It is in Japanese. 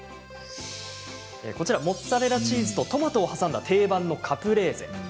モッツァレラチーズとトマトを挟んだ定番のカプレーゼ。